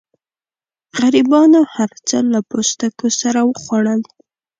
غریبانو هرڅه له پوستکو سره وخوړل.